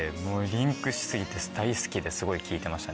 リンクし過ぎて大好きですごい聴いてました。